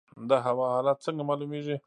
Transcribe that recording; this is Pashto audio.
د هوا حالات څنګه معلومیږي؟